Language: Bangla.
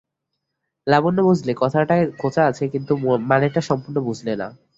লাবণ্য বুঝলে, কথাটায় খোঁচা আছে, কিন্তু মানেটা সম্পূর্ণ বুঝলে না।